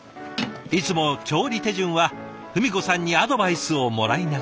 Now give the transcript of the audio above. いつも調理手順は文子さんにアドバイスをもらいながら。